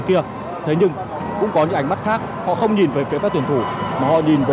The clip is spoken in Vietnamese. kia thế nhưng cũng có những ánh mắt khác họ không nhìn về phía các tuyển thủ mà họ nhìn về